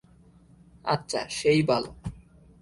আচ্ছা, সেই ভালো।